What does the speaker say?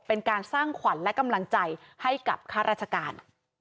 เป็นการสร้างขวัญและกำลังใจให้กับข้าราชการ